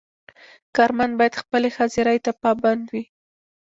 کارمند باید خپلې حاضرۍ ته پابند وي.